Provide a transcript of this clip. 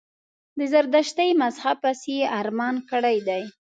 د زردشتي مذهب پسي یې ارمان کړی دی.